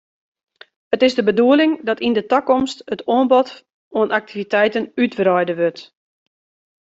It is de bedoeling dat yn 'e takomst it oanbod oan aktiviteiten útwreide wurdt.